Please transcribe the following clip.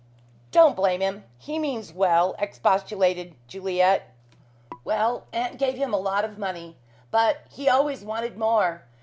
"Don't blame him. He means well," expostulated Juliet. "Well, aunt gave him a lot of money, but he always wanted more.